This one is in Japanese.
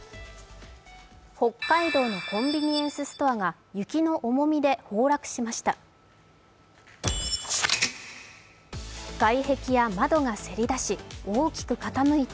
北海道のコンビニエンスストアが雪の重みで崩落しました。